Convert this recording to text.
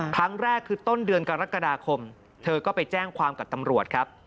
ครั้งแรกคือต้นเดือนกรกฎาคมเธอก็ไปแจ้งความกับตำรวจครับ